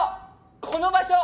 この場所！